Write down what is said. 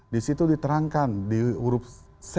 di situ diterangkan di huruf c